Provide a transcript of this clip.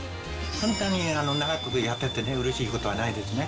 本当に長くやっててね、うれしいことはないですね。